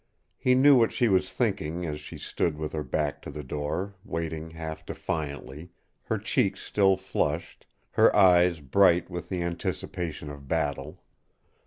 He knew what she was thinking as she stood with her back to the door, waiting half defiantly, her cheeks still flushed, her eyes bright with the anticipation of battle.